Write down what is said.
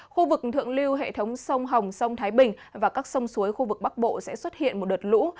khu vực thượng lưu hệ thống sông hồng sông thái bình và các sông suối khu vực bắc bộ sẽ xuất hiện một đợt lũ